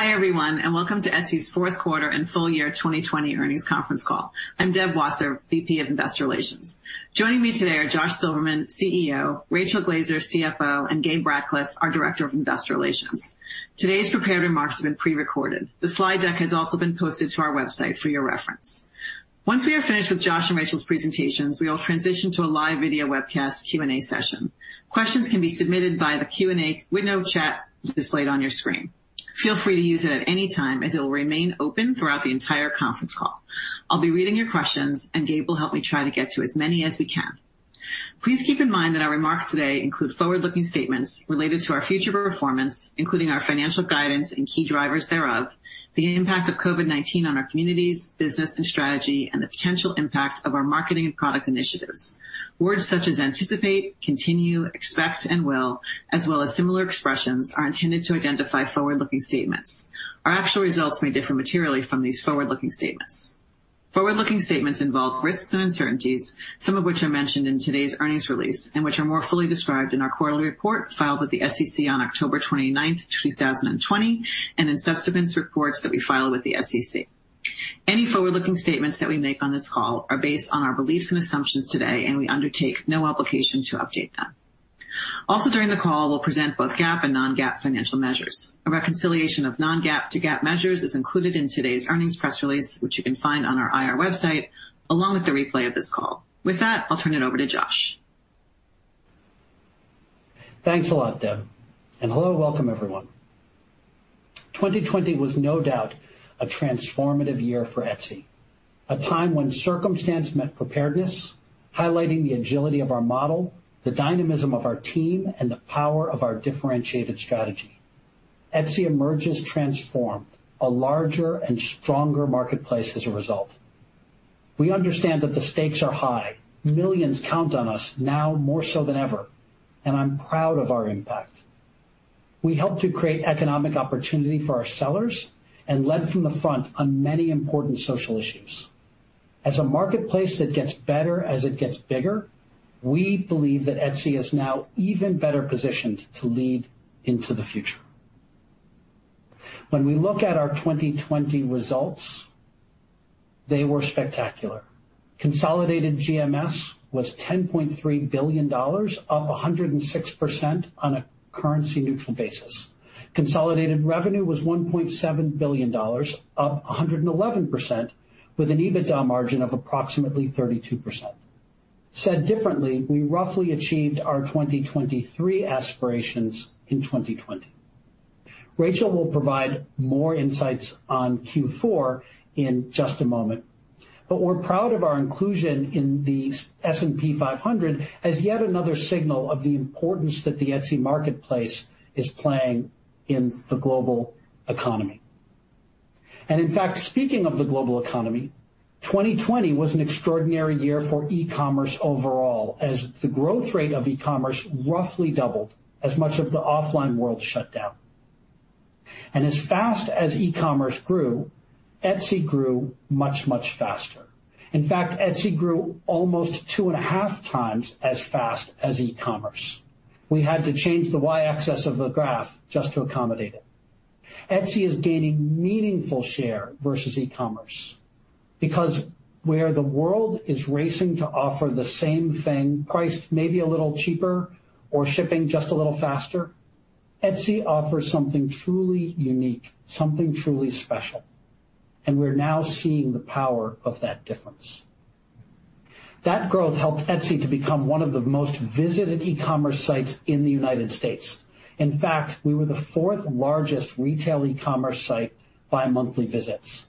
Hi, everyone, and welcome to Etsy's Fourth Quarter and Full Year 2020 earnings conference call. I'm Deb Wasser, VP of Investor Relations. Joining me today are Josh Silverman, CEO, Rachel Glaser, CFO, and Gabe Ratcliff, our Director of Investor Relations. Today's prepared remarks have been pre-recorded. The slide deck has also been posted to our website for your reference. Once we are finished with Josh and Rachel's presentations, we will transition to a live video webcast Q&A session. Questions can be submitted by the Q&A window chat displayed on your screen. Feel free to use it at any time, as it will remain open throughout the entire conference call. I'll be reading your questions, and Gabe will help me try to get to as many as we can. Please keep in mind that our remarks today include forward-looking statements related to our future performance, including our financial guidance and key drivers thereof, the impact of COVID-19 on our communities, business, and strategy, and the potential impact of our marketing and product initiatives. Words such as anticipate, continue, expect, and will, as well as similar expressions, are intended to identify forward-looking statements. Our actual results may differ materially from these forward-looking statements. Forward-looking statements involve risks and uncertainties, some of which are mentioned in today's earnings release, and which are more fully described in our quarterly report filed with the SEC on October 29th, 2020, and in subsequent reports that we file with the SEC. Any forward-looking statements that we make on this call are based on our beliefs and assumptions today, and we undertake no obligation to update them. Also during the call, we'll present both GAAP and non-GAAP financial measures. A reconciliation of non-GAAP to GAAP measures is included in today's earnings press release, which you can find on our IR website, along with the replay of this call. With that, I'll turn it over to Josh. Thanks a lot, Deb. Hello, welcome everyone. 2020 was no doubt a transformative year for Etsy. A time when circumstance met preparedness, highlighting the agility of our model, the dynamism of our team, and the power of our differentiated strategy. Etsy emerges transformed, a larger and stronger marketplace as a result. We understand that the stakes are high. Millions count on us now more so than ever, and I'm proud of our impact. We helped to create economic opportunity for our sellers and led from the front on many important social issues. As a marketplace that gets better as it gets bigger, we believe that Etsy is now even better positioned to lead into the future. When we look at our 2020 results, they were spectacular. Consolidated GMS was $10.3 billion, up 106% on a currency neutral basis. Consolidated revenue was $1.7 billion, up 111%, with an EBITDA margin of approximately 32%. Said differently, we roughly achieved our 2023 aspirations in 2020. Rachel will provide more insights on Q4 in just a moment, but we're proud of our inclusion in the S&P 500 as yet another signal of the importance that the Etsy marketplace is playing in the global economy. In fact, speaking of the global economy, 2020 was an extraordinary year for e-commerce overall as the growth rate of e-commerce roughly doubled as much of the offline world shut down. As fast as e-commerce grew, Etsy grew much, much faster. In fact, Etsy grew almost two and a half times as fast as e-commerce. We had to change the Y-axis of the graph just to accommodate it. Etsy is gaining meaningful share versus e-commerce because where the world is racing to offer the same thing priced maybe a little cheaper or shipping just a little faster, Etsy offers something truly unique, something truly special, we're now seeing the power of that difference. That growth helped Etsy to become one of the most visited e-commerce sites in the United States. In fact, we were the fourth largest retail e-commerce site by monthly visits.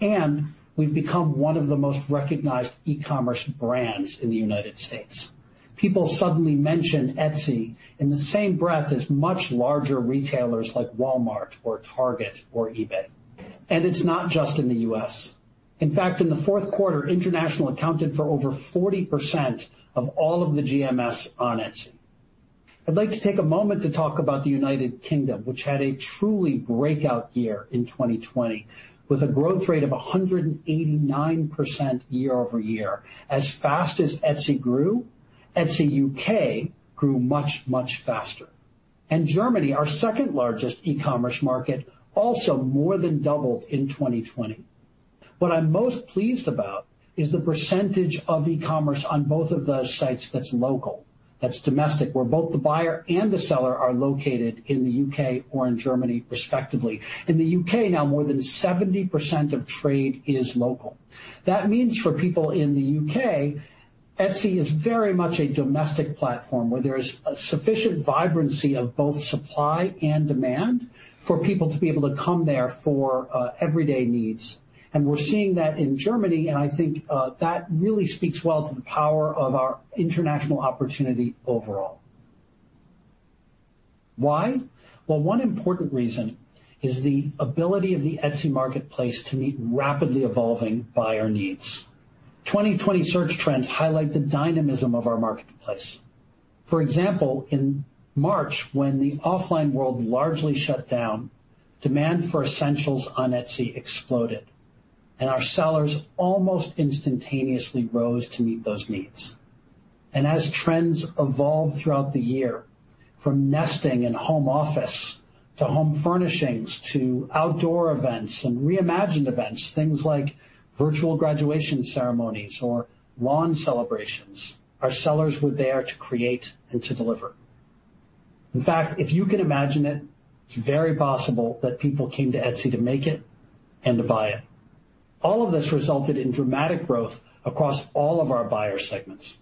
We've become one of the most recognized e-commerce brands in the United States. People suddenly mention Etsy in the same breath as much larger retailers like Walmart or Target or eBay. It's not just in the U.S. In fact, in the fourth quarter, international accounted for over 40% of all of the GMS on Etsy. I'd like to take a moment to talk about the United Kingdom, which had a truly breakout year in 2020, with a growth rate of 189% year-over-year. As fast as Etsy grew, Etsy U.K. grew much, much faster. Germany, our second largest e-commerce market, also more than doubled in 2020. What I'm most pleased about is the percentage of e-commerce on both of those sites that's local, that's domestic, where both the buyer and the seller are located in the U.K. or in Germany, respectively. In the U.K. now, more than 70% of trade is local. That means for people in the U.K., Etsy is very much a domestic platform where there is a sufficient vibrancy of both supply and demand for people to be able to come there for everyday needs. We're seeing that in Germany, and I think that really speaks well to the power of our international opportunity overall. Why? Well, one important reason is the ability of the Etsy marketplace to meet rapidly evolving buyer needs. 2020 search trends highlight the dynamism of our marketplace. For example, in March, when the offline world largely shut down, demand for essentials on Etsy exploded, and our sellers almost instantaneously rose to meet those needs. As trends evolved throughout the year, from nesting and home office to home furnishings to outdoor events and reimagined events, things like virtual graduation ceremonies or lawn celebrations, our sellers were there to create and to deliver. In fact, if you can imagine it's very possible that people came to Etsy to make it and to buy it. All of this resulted in dramatic growth across all of our buyer segments.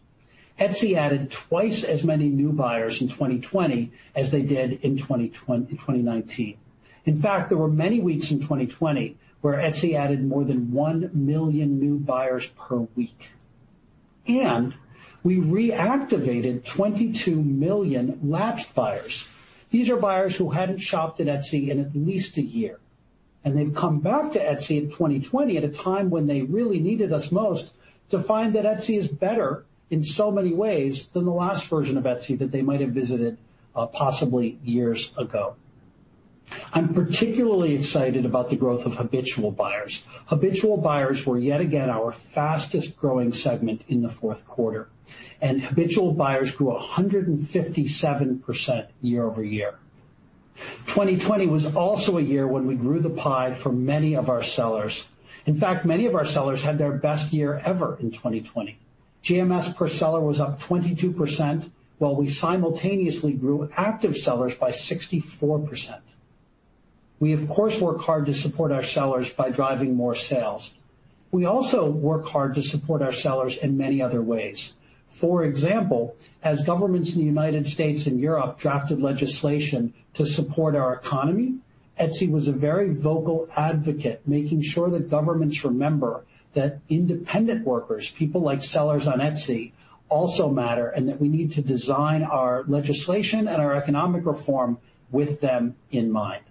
Etsy added twice as many new buyers in 2020 as they did in 2019. In fact, there were many weeks in 2020 where Etsy added more than 1 million new buyers per week. We reactivated 22 million lapsed buyers. These are buyers who hadn't shopped at Etsy in at least a year, and they've come back to Etsy in 2020 at a time when they really needed us most to find that Etsy is better in so many ways than the last version of Etsy that they might have visited possibly years ago. I'm particularly excited about the growth of habitual buyers. Habitual buyers were yet again our fastest-growing segment in the fourth quarter. Habitual buyers grew 157% year-over-year. 2020 was also a year when we grew the pie for many of our sellers. In fact, many of our sellers had their best year ever in 2020. GMS per seller was up 22%, while we simultaneously grew active sellers by 64%. We, of course, work hard to support our sellers by driving more sales. We also work hard to support our sellers in many other ways. For example, as governments in the United States and Europe drafted legislation to support our economy, Etsy was a very vocal advocate, making sure that governments remember that independent workers, people like sellers on Etsy, also matter, and that we need to design our legislation and our economic reform with them in mind.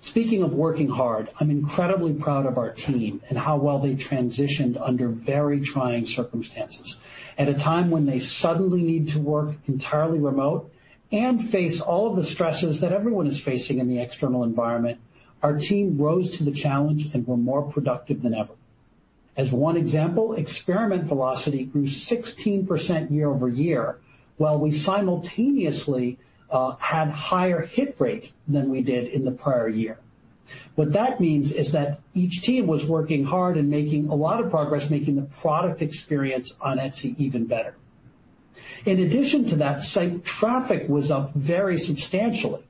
Speaking of working hard, I'm incredibly proud of our team and how well they transitioned under very trying circumstances. At a time when they suddenly need to work entirely remote and face all of the stresses that everyone is facing in the external environment, our team rose to the challenge and were more productive than ever. As one example, experiment velocity grew 16% year-over-year, while we simultaneously had higher hit rates than we did in the prior year. What that means is that each team was working hard and making a lot of progress, making the product experience on Etsy even better. In addition to that, site traffic was up very substantially.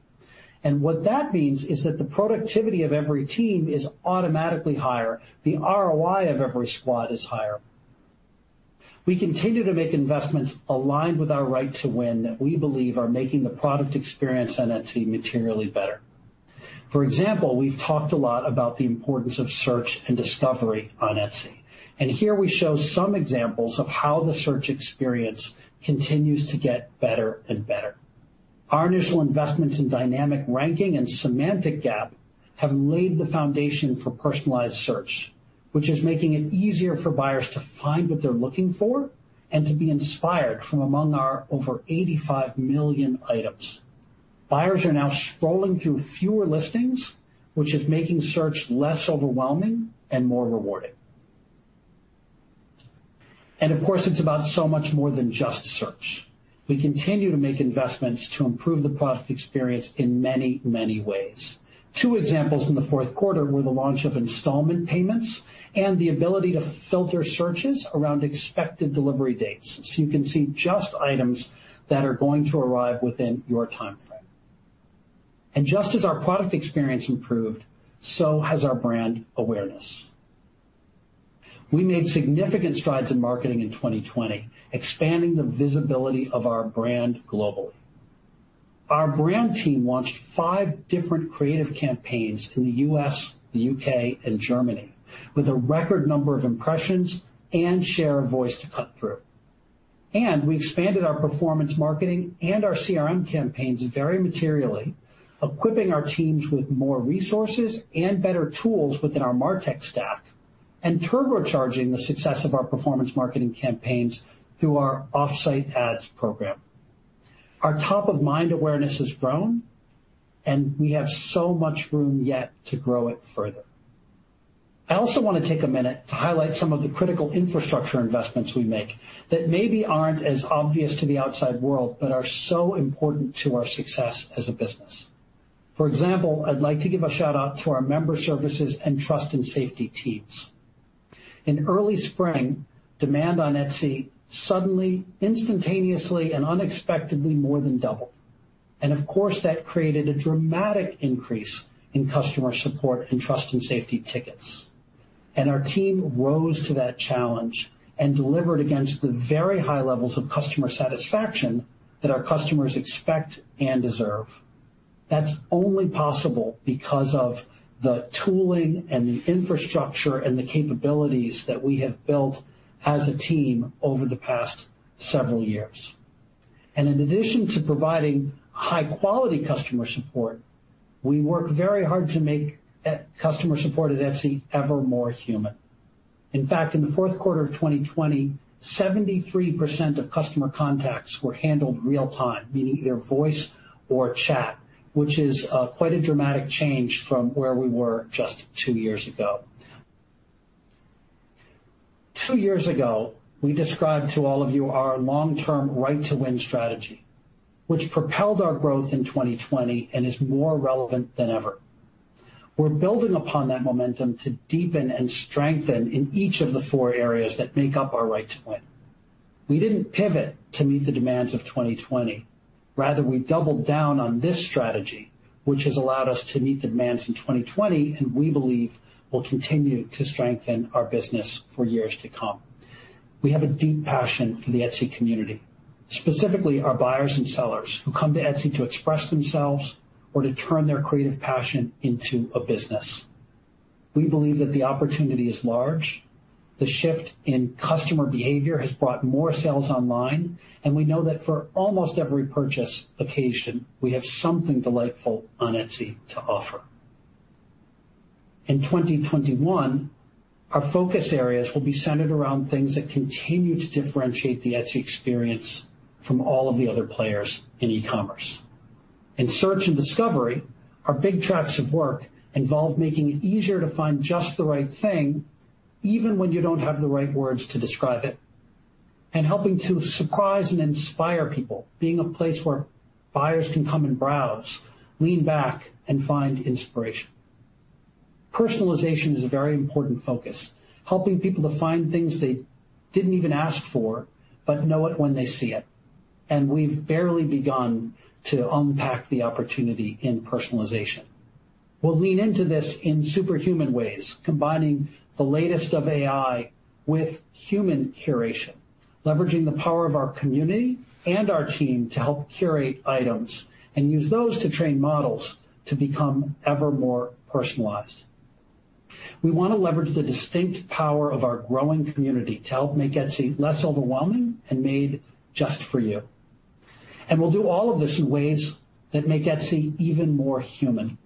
What that means is that the productivity of every team is automatically higher. The ROI of every squad is higher. We continue to make investments aligned with our right to win that we believe are making the product experience on Etsy materially better. For example, we've talked a lot about the importance of search and discovery on Etsy, and here we show some examples of how the search experience continues to get better and better. Our initial investments in dynamic ranking and semantic gap have laid the foundation for personalized search, which is making it easier for buyers to find what they're looking for and to be inspired from among our over 85 million items. Buyers are now scrolling through fewer listings, which is making search less overwhelming and more rewarding. Of course, it's about so much more than just search. We continue to make investments to improve the product experience in many ways. Two examples in the fourth quarter were the launch of installment payments and the ability to filter searches around expected delivery dates, so you can see just items that are going to arrive within your timeframe. Just as our product experience improved, so has our brand awareness. We made significant strides in marketing in 2020, expanding the visibility of our brand globally. Our brand team launched five different creative campaigns in the U.S., the U.K., and Germany, with a record number of impressions and share of voice to cut through. We expanded our performance marketing and our CRM campaigns very materially, equipping our teams with more resources and better tools within our marTech stack, and turbocharging the success of our performance marketing campaigns through our Offsite Ads program. Our top-of-mind awareness has grown, and we have so much room yet to grow it further. I also want to take a minute to highlight some of the critical infrastructure investments we make that maybe aren't as obvious to the outside world but are so important to our success as a business. For example, I'd like to give a shout-out to our member services and trust and safety teams. In early spring, demand on Etsy suddenly, instantaneously, and unexpectedly more than doubled. Of course, that created a dramatic increase in customer support and trust and safety tickets. Our team rose to that challenge and delivered against the very high levels of customer satisfaction that our customers expect and deserve. That's only possible because of the tooling and the infrastructure and the capabilities that we have built as a team over the past several years. In addition to providing high-quality customer support, we work very hard to make customer support at Etsy ever more human. In fact, in the fourth quarter of 2020, 73% of customer contacts were handled real time, meaning either voice or chat, which is quite a dramatic change from where we were just two years ago. Two years ago, we described to all of you our long-term Right to Win strategy, which propelled our growth in 2020 and is more relevant than ever. We're building upon that momentum to deepen and strengthen in each of the four areas that make up our Right to Win, we didn't pivot to meet the demands of 2020. Rather, we doubled down on this strategy, which has allowed us to meet the demands in 2020, and we believe will continue to strengthen our business for years to come. We have a deep passion for the Etsy community, specifically our buyers and sellers who come to Etsy to express themselves or to turn their creative passion into a business. We believe that the opportunity is large. The shift in customer behavior has brought more sales online, and we know that for almost every purchase occasion, we have something delightful on Etsy to offer. In 2021, our focus areas will be centered around things that continue to differentiate the Etsy experience from all of the other players in e-commerce. In search and discovery, our big tracks of work involve making it easier to find just the right thing, even when you don't have the right words to describe it, and helping to surprise and inspire people, being a place where buyers can come and browse, lean back, and find inspiration. Personalization is a very important focus, helping people to find things they didn't even ask for, but know it when they see it. We've barely begun to unpack the opportunity in personalization. We'll lean into this in superhuman ways, combining the latest of AI with human curation, leveraging the power of our community and our team to help curate items and use those to train models to become ever more personalized. We want to leverage the distinct power of our growing community to help make Etsy less overwhelming and made just for you. We'll do all of this in ways that make Etsy even more human.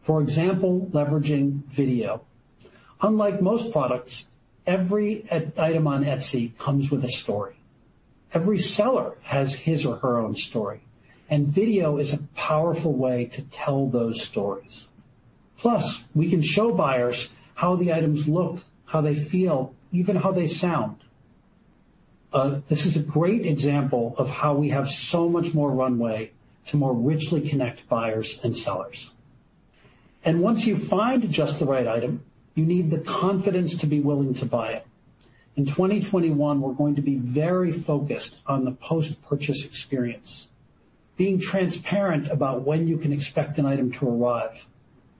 For example, leveraging video. Unlike most products, every item on Etsy comes with a story. Every seller has his or her own story, and video is a powerful way to tell those stories. We can show buyers how the items look, how they feel, even how they sound. This is a great example of how we have so much more runway to more richly connect buyers and sellers. Once you find just the right item, you need the confidence to be willing to buy it. In 2021, we're going to be very focused on the post-purchase experience, being transparent about when you can expect an item to arrive,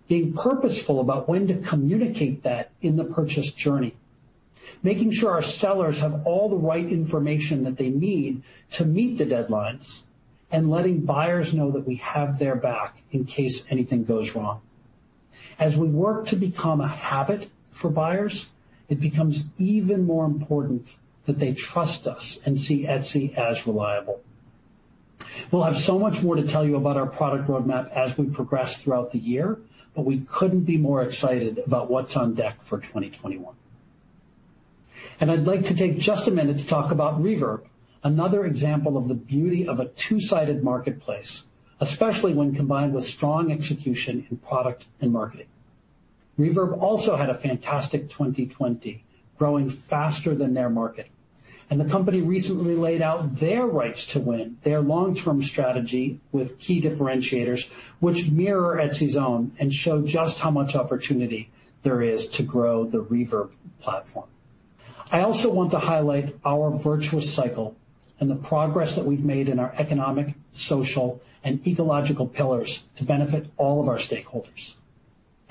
being purposeful about when to communicate that in the purchase journey, making sure our sellers have all the right information that they need to meet the deadlines, and letting buyers know that we have their back in case anything goes wrong. As we work to become a habit for buyers, it becomes even more important that they trust us and see Etsy as reliable. We'll have so much more to tell you about our product roadmap as we progress throughout the year, but we couldn't be more excited about what's on deck for 2021. I'd like to take just a minute to talk about Reverb, another example of the beauty of a two-sided marketplace, especially when combined with strong execution in product and marketing. Reverb also had a fantastic 2020, growing faster than their market. The company recently laid out their rights to win, their long-term strategy with key differentiators, which mirror Etsy's own and show just how much opportunity there is to grow the Reverb platform. I also want to highlight our virtuous cycle and the progress that we've made in our economic, social, and ecological pillars to benefit all of our stakeholders.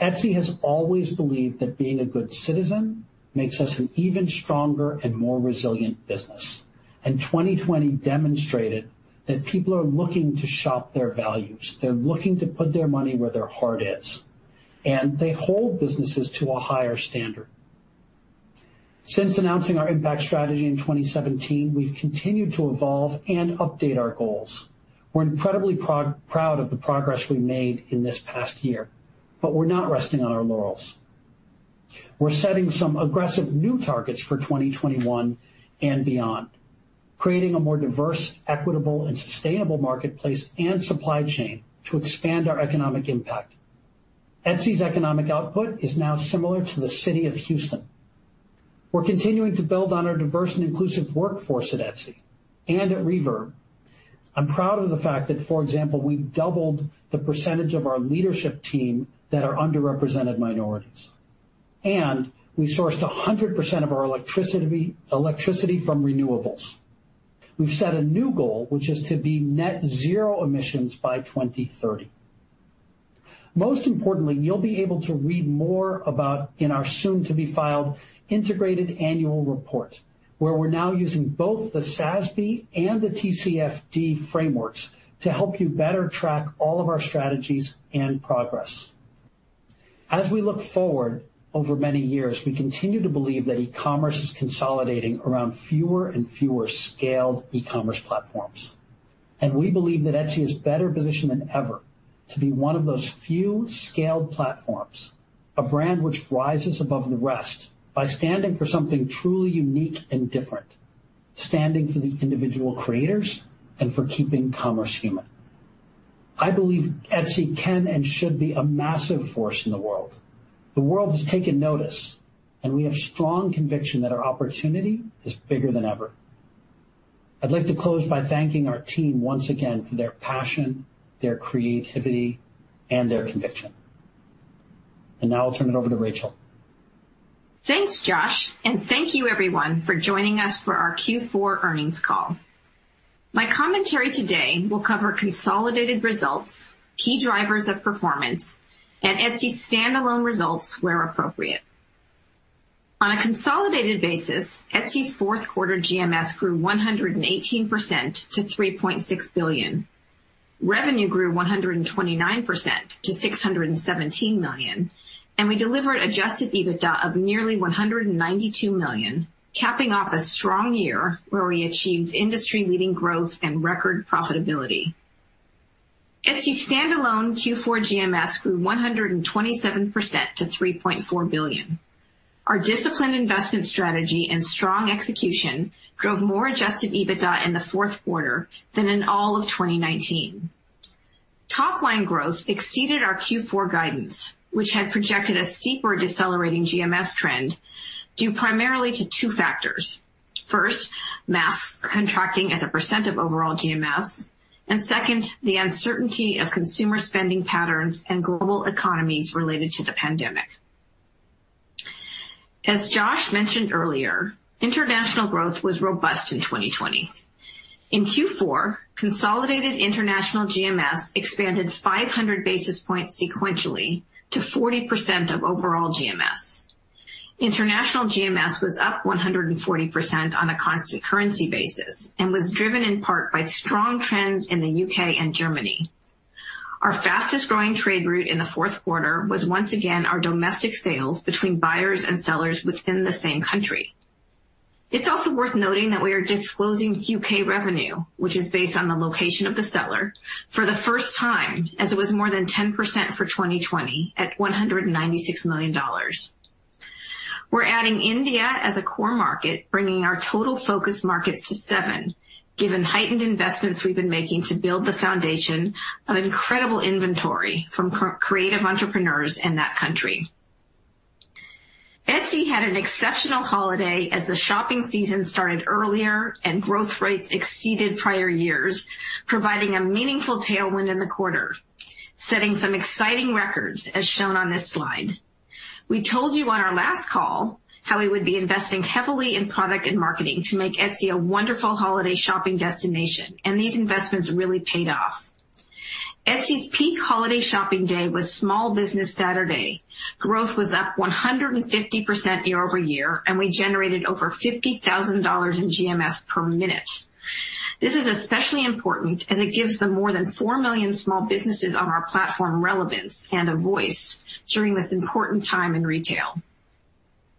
Etsy has always believed that being a good citizen makes us an even stronger and more resilient business. 2020 demonstrated that people are looking to shop their values. They're looking to put their money where their heart is, and they hold businesses to a higher standard. Since announcing our impact strategy in 2017, we've continued to evolve and update our goals. We're incredibly proud of the progress we made in this past year, but we're not resting on our laurels. We're setting some aggressive new targets for 2021 and beyond, creating a more diverse, equitable, and sustainable marketplace and supply chain to expand our economic impact. Etsy's economic output is now similar to the city of Houston. We're continuing to build on our diverse and inclusive workforce at Etsy and at Reverb. I'm proud of the fact that, for example, we doubled the percentage of our leadership team that are underrepresented minorities, and we sourced 100% of our electricity from renewables. We've set a new goal, which is to be net zero emissions by 2030. Most importantly, you'll be able to read more about in our soon to be filed integrated annual report, where we're now using both the SASB and the TCFD frameworks to help you better track all of our strategies and progress. As we look forward over many years, we continue to believe that e-commerce is consolidating around fewer and fewer scaled e-commerce platforms. We believe that Etsy is better positioned than ever to be one of those few scaled platforms, a brand which rises above the rest by standing for something truly unique and different, standing for the individual creators and for keeping commerce human. I believe Etsy can and should be a massive force in the world. The world has taken notice, and we have strong conviction that our opportunity is bigger than ever. I'd like to close by thanking our team once again for their passion, their creativity, and their conviction. Now I'll turn it over to Rachel. Thanks, Josh, and thank you everyone for joining us for our Q4 earnings call. My commentary today will cover consolidated results, key drivers of performance, and Etsy's standalone results were appropriate. On a consolidated basis, Etsy's fourth quarter GMS grew 118% to $3.6 billion. Revenue grew 129% to $617 million, and we delivered adjusted EBITDA of nearly $192 million, capping off a strong year where we achieved industry-leading growth and record profitability. Etsy's standalone Q4 GMS grew 127% to $3.4 billion. Our disciplined investment strategy and strong execution drove more adjusted EBITDA in the fourth quarter than in all of 2019. Top-line growth exceeded our Q4 guidance, which had projected a steeper decelerating GMS trend, due primarily to two factors. First, masks contracting as a percent of overall GMS, and second, the uncertainty of consumer spending patterns and global economies related to the pandemic. As Josh mentioned earlier, international growth was robust in 2020. In Q4, consolidated international GMS expanded 500 basis points sequentially to 40% of overall GMS. International GMS was up 140% on a constant currency basis and was driven in part by strong trends in the U.K. and Germany. Our fastest-growing trade route in the fourth quarter was once again our domestic sales between buyers and sellers within the same country. It's also worth noting that we are disclosing U.K. revenue, which is based on the location of the seller, for the first time, as it was more than 10% for 2020 at $196 million. We're adding India as a core market, bringing our total focus markets to seven, given heightened investments we've been making to build the foundation of incredible inventory from creative entrepreneurs in that country. Etsy had an exceptional holiday as the shopping season started earlier and growth rates exceeded prior years, providing a meaningful tailwind in the quarter, setting some exciting records as shown on this slide. We told you on our last call how we would be investing heavily in product and marketing to make Etsy a wonderful holiday shopping destination. These investments really paid off. Etsy's peak holiday shopping day was Small Business Saturday. Growth was up 150% year-over-year and we generated over $50,000 in GMS per minute. This is especially important as it gives the more than 4 million small businesses on our platform relevance and a voice during this important time in retail.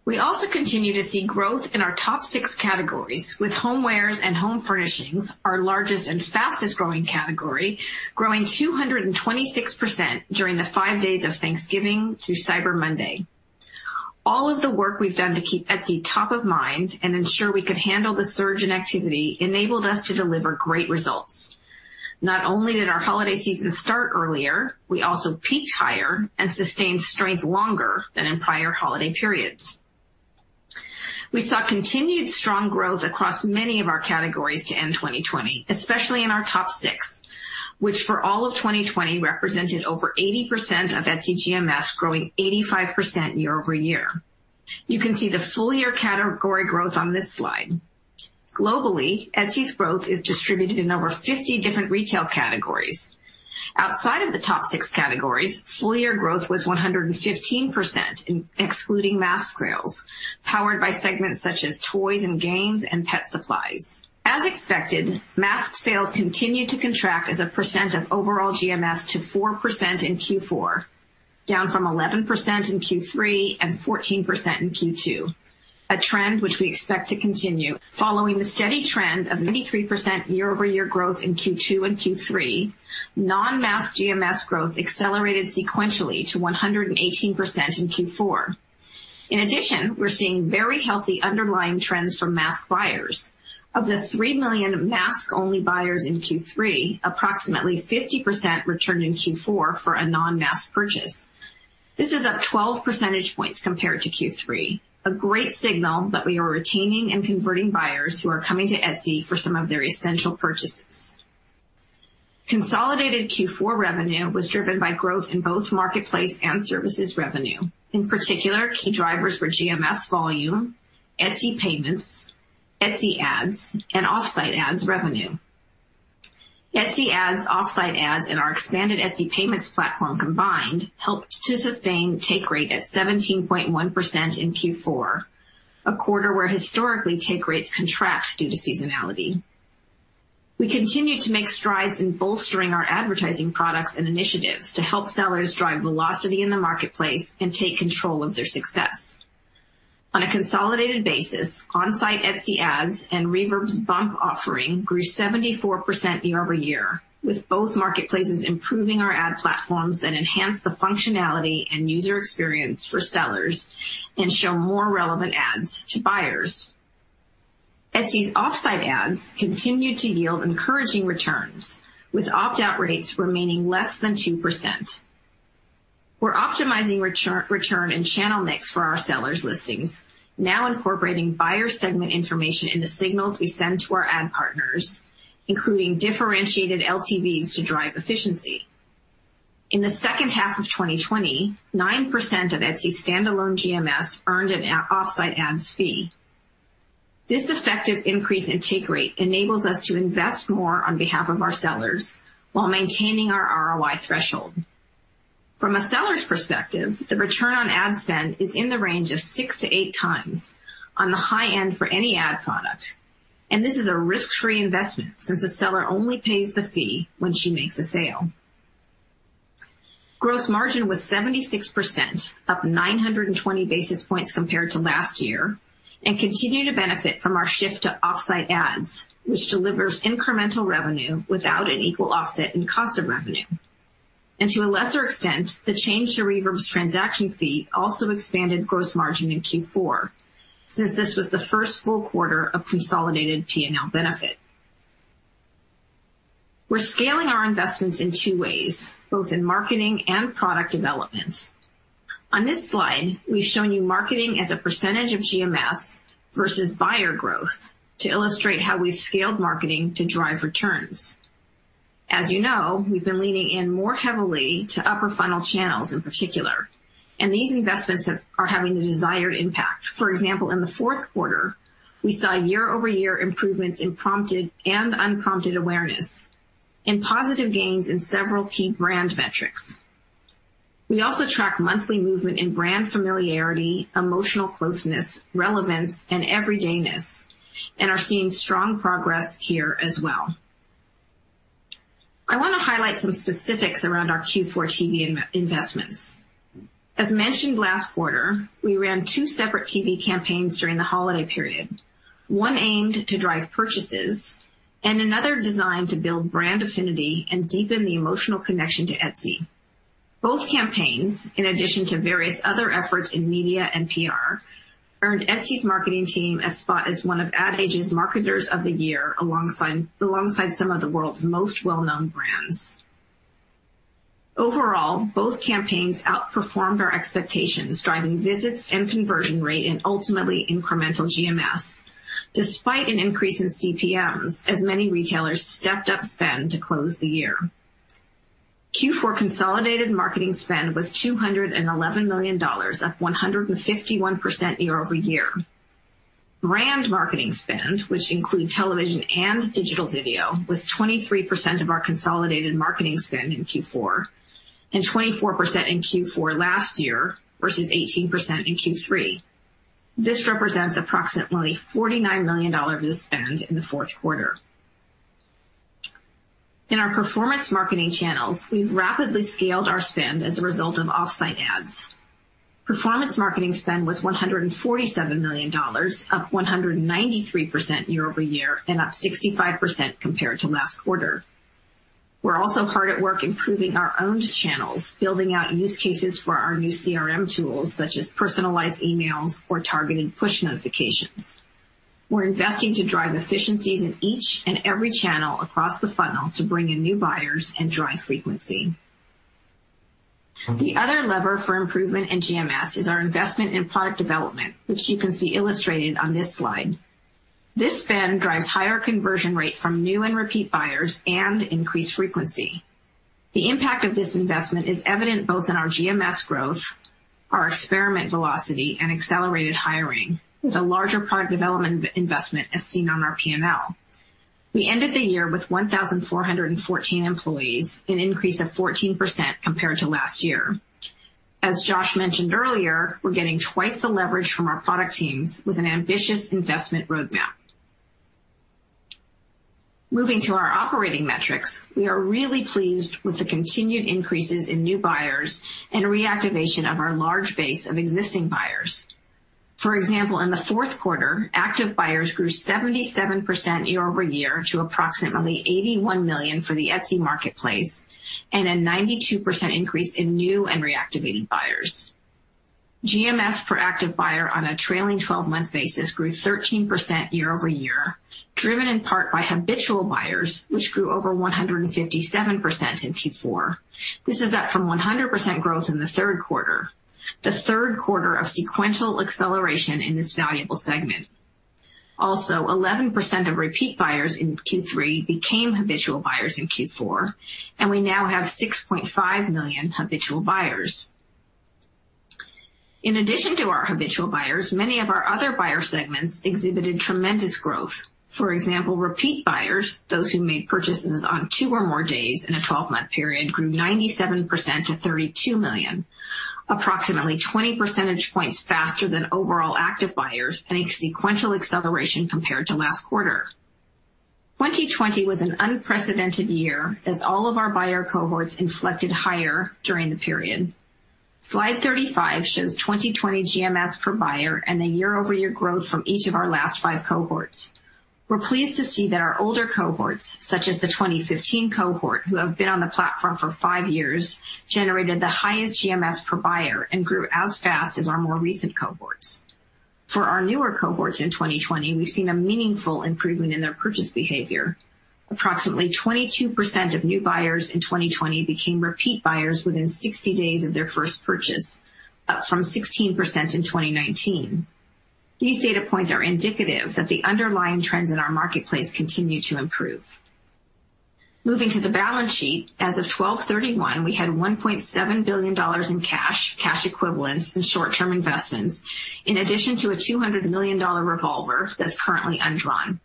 We also continue to see growth in our top six categories with homewares and home furnishings, our largest and fastest-growing category, growing 226% during the five days of Thanksgiving through Cyber Monday. All of the work we've done to keep Etsy top of mind and ensure we could handle the surge in activity enabled us to deliver great results. Not only did our holiday season start earlier, we also peaked higher and sustained strength longer than in prior holiday periods. We saw continued strong growth across many of our categories to end 2020, especially in our top six, which for all of 2020 represented over 80% of Etsy GMS, growing 85% year-over-year. You can see the full-year category growth on this slide. Globally, Etsy's growth is distributed in over 50 different retail categories. Outside of the top six categories, full-year growth was 115%, excluding mask sales, powered by segments such as toys and games and pet supplies. As expected, mask sales continued to contract as a percent of overall GMS to 4% in Q4, down from 11% in Q3 and 14% in Q2, a trend which we expect to continue. Following the steady trend of 93% year-over-year growth in Q2 and Q3, non-mask GMS growth accelerated sequentially to 118% in Q4. In addition, we're seeing very healthy underlying trends from mask buyers. Of the 3 million mask-only buyers in Q3, approximately 50% returned in Q4 for a non-mask purchase. This is up 12 percentage points compared to Q3, a great signal that we are retaining and converting buyers who are coming to Etsy for some of their essential purchases. Consolidated Q4 revenue was driven by growth in both marketplace and services revenue. In particular, key drivers were GMS volume, Etsy Payments, Etsy Ads, and Offsite Ads revenue. Etsy Ads, Offsite Ads, and our expanded Etsy Payments platform combined helped to sustain take rate at 17.1% in Q4, a quarter where historically take rates contract due to seasonality. We continue to make strides in bolstering our advertising products and initiatives to help sellers drive velocity in the marketplace and take control of their success. On a consolidated basis, on-site Etsy Ads and Reverb's Bump offering grew 74% year-over-year, with both marketplaces improving our ad platforms that enhance the functionality and user experience for sellers and show more relevant ads to buyers. Etsy's Offsite Ads continue to yield encouraging returns, with opt-out rates remaining less than 2%. We're optimizing return and channel mix for our sellers' listings, now incorporating buyer segment information in the signals we send to our ad partners, including differentiated LTVs to drive efficiency. In the second half of 2020, 9% of Etsy's standalone GMS earned an Offsite Ads fee. This effective increase in take rate enables us to invest more on behalf of our sellers while maintaining our ROI threshold. From a seller's perspective, the return on ad spend is in the range of six to eight times on the high end for any ad product, and this is a risk-free investment since a seller only pays the fee when she makes a sale. Gross margin was 76%, up 920 basis points compared to last year, and continue to benefit from our shift to Offsite Ads, which delivers incremental revenue without an equal offset in cost of revenue. To a lesser extent, the change to Reverb's transaction fee also expanded gross margin in Q4, since this was the first full quarter of consolidated P&L benefit. We're scaling our investments in two ways, both in marketing and product development. On this slide, we've shown you marketing as a percentage of GMS versus buyer growth to illustrate how we've scaled marketing to drive returns. As you know, we've been leaning in more heavily to upper funnel channels in particular. These investments are having the desired impact. For example, in the fourth quarter, we saw year-over-year improvements in prompted and unprompted awareness and positive gains in several key brand metrics. We also track monthly movement in brand familiarity, emotional closeness, relevance, and everydayness and are seeing strong progress here as well. I want to highlight some specifics around our Q4 TV investments. As mentioned last quarter, we ran two separate TV campaigns during the holiday period, one aimed to drive purchases and another designed to build brand affinity and deepen the emotional connection to Etsy. Both campaigns, in addition to various other efforts in media and PR, earned Etsy's marketing team a spot as one of Ad Age's Marketers of the Year, alongside some of the world's most well-known brands. Overall, both campaigns outperformed our expectations, driving visits and conversion rate and ultimately incremental GMS, despite an increase in CPMs, as many retailers stepped up spend to close the year. Q4 consolidated marketing spend was $211 million, up 151% year-over-year. Brand marketing spend, which includes television and digital video, was 23% of our consolidated marketing spend in Q4 and 24% in Q4 last year, versus 18% in Q3. This represents approximately $49 million of spend in the fourth quarter. In our performance marketing channels, we've rapidly scaled our spend as a result of Offsite Ads. Performance marketing spend was $147 million, up 193% year-over-year, and up 65% compared to last quarter. We're also hard at work improving our owned channels, building out use cases for our new CRM tools, such as personalized emails or targeted push notifications. We're investing to drive efficiencies in each and every channel across the funnel to bring in new buyers and drive frequency. The other lever for improvement in GMS is our investment in product development, which you can see illustrated on this slide. This spend drives higher conversion rate from new and repeat buyers and increased frequency. The impact of this investment is evident both in our GMS growth, our experiment velocity, and accelerated hiring with a larger product development investment, as seen on our P&L. We ended the year with 1,414 employees, an increase of 14% compared to last year. As Josh mentioned earlier, we're getting twice the leverage from our product teams with an ambitious investment roadmap. Moving to our operating metrics, we are really pleased with the continued increases in new buyers and reactivation of our large base of existing buyers. For example, in the fourth quarter, active buyers grew 77% year-over-year to approximately 81 million for the Etsy marketplace and a 92% increase in new and reactivated buyers. GMS per active buyer on a trailing 12-month basis grew 13% year-over-year, driven in part by habitual buyers, which grew over 157% in Q4. This is up from 100% growth in the third quarter, the third quarter of sequential acceleration in this valuable segment. Also, 11% of repeat buyers in Q3 became habitual buyers in Q4, and we now have 6.5 million habitual buyers. In addition to our habitual buyers, many of our other buyer segments exhibited tremendous growth. For example, repeat buyers, those who made purchases on two or more days in a 12-month period, grew 97% to 32 million, approximately 20 percentage points faster than overall active buyers and a sequential acceleration compared to last quarter. 2020 was an unprecedented year as all of our buyer cohorts inflected higher during the period. Slide 35 shows 2020 GMS per buyer and the year-over-year growth from each of our last five cohorts. We're pleased to see that our older cohorts, such as the 2015 cohort, who have been on the platform for five years, generated the highest GMS per buyer and grew as fast as our more recent cohorts. For our newer cohorts in 2020, we've seen a meaningful improvement in their purchase behavior. Approximately 22% of new buyers in 2020 became repeat buyers within 60 days of their first purchase, up from 16% in 2019. These data points are indicative that the underlying trends in our marketplace continue to improve. Moving to the balance sheet, as of 12/31, we had $1.7 billion in cash equivalents, and short-term investments, in addition to a $200 million revolver that's currently undrawn.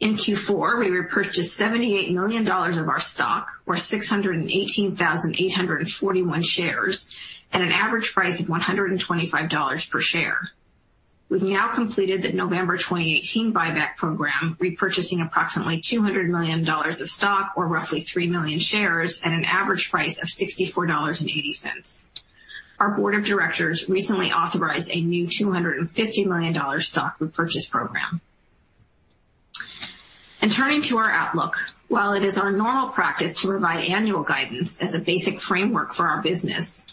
In Q4, we repurchased $78 million of our stock, or 618,841 shares, at an average price of $125 per share. We've now completed the November 2018 buyback program, repurchasing approximately $200 million of stock or roughly 3 million shares at an average price of $64.80. Our board of directors recently authorized a new $250 million stock repurchase program. Turning to our outlook. While it is our normal practice to provide annual guidance as a basic framework for our business,